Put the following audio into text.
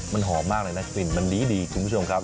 มันหอมมากเลยนะกลิ่นมันดีคุณผู้ชมครับ